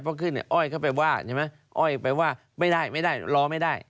เพราะขึ้นอ้อยเข้าไปว่าใช่ไหมอ้อยไปว่าไม่ได้ไม่ได้รอไม่ได้